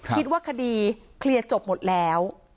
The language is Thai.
คิดว่าคดีเคลียร์จบหมดแล้ว